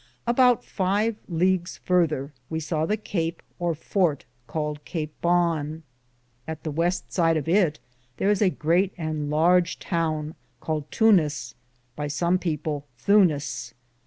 Aboute five leagues further we sawe the cape, or forte, caled Debone.^ At the weste sid of it thar is a greate and large Tovne, caled Tonis,^ by some peopell Thunes.